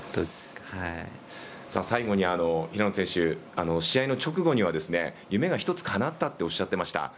最後に試合の直後には夢が１つかなったとおっしゃっていました。